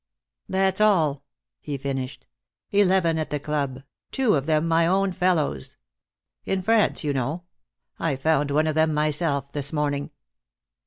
"That's all," he finished. "Eleven at the club, two of them my own fellows. In France, you know. I found one of them myself, this morning."